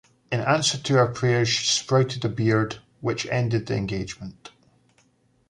In answer to her prayers she sprouted a beard, which ended the engagement.